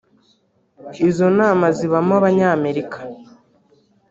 “Izo nama zibamo Abanyamerika